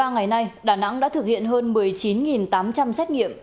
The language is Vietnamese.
một mươi ba ngày nay đà nẵng đã thực hiện hơn một mươi chín tám trăm linh xét nghiệm